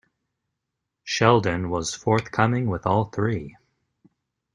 Sheldon was forthcoming with all three.